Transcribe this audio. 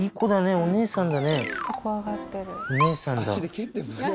お姉さんだ。